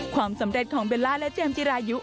ความสำเร็จของเบลล่าและเจมส์จิรายุ